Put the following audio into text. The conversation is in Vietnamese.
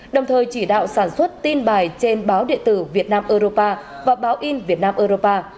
đồng thời chỉ đạo sản xuất tin bài trên báo địa tử việt nam europa và báo in việt nam europa